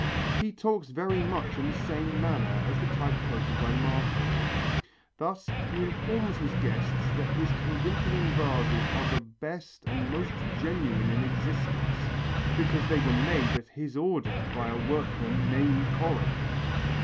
He talks very much in the same manner as the type quoted by Martial. Thus he informs his guests that his Corinthian vases are the best and most genuine in existence, because they were made at his order by a workman named Corinth.